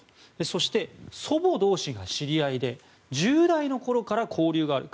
そして、祖母同士が知り合いで１０代のころから交流がある。